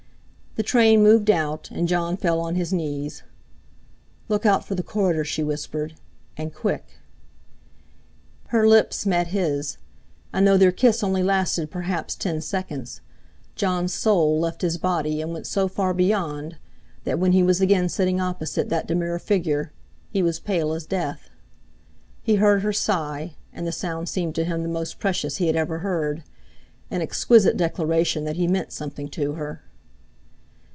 The train moved out, and Jon fell on his knees. "Look out for the corridor," she whispered; "and—quick!" Her lips met his. And though their kiss only lasted perhaps ten seconds, Jon's soul left his body and went so far beyond, that, when he was again sitting opposite that demure figure, he was pale as death. He heard her sigh, and the sound seemed to him the most precious he had ever heard—an exquisite declaration that he meant something to her.